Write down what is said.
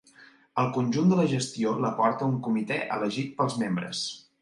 El conjunt de la gestió la porta un comitè elegit pels membres.